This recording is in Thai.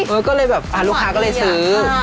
ก็เลยแบบลูกค้าก็เลยซื้อ